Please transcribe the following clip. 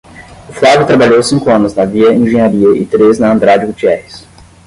O Flávio trabalhou cinco anos na Via Engenharia e três na Andrade Gutierrez.